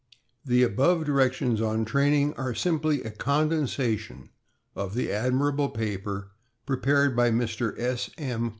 The above directions on training are simply a condensa tion of the admirable paper prepared by Mr. S. M.